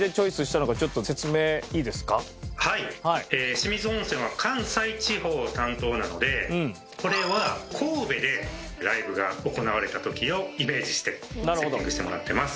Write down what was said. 清水音泉は関西地方担当なのでこれは神戸でライブが行われた時をイメージしてセッティングしてもらってます。